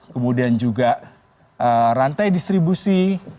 kemudian juga rantai distribusi